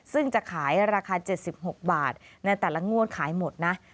ซึ่งจะขายราคา๗๖บาทในแต่ละงวดขายหมดนะ